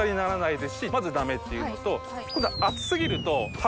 まずダメっていうのと。